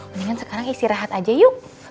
mendingan sekarang isi rehat aja yuk